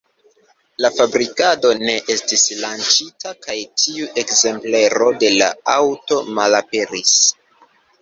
La fabrikado ne estis lanĉita kaj tiu ekzemplero de la aŭto malaperis.